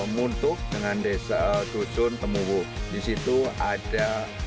muntuk dengan desa dusun temubu di situ ada